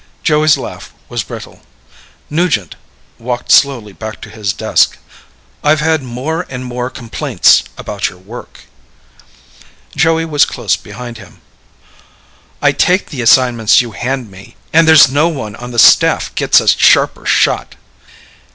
Joey's laugh was brittle. Nugent walked slowly back to his desk. "I've had more and more complaints about your work." Joey was close behind him. "I take the assignments you hand me. And there's no one on the staff gets a sharper shot."